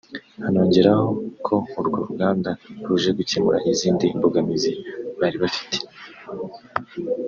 anongeraho ko urwo ruganda ruje gukemura izindi mbogamizi bari bafite